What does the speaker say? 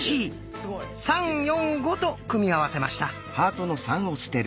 「３」「４」「５」と組み合わせました。